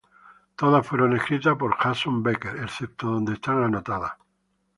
Todas fueron escritas por Jason Becker, excepto donde están anotadas.